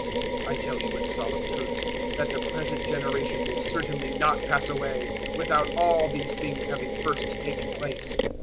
024:034 I tell you in solemn truth that the present generation will certainly not pass away without all these things having first taken place.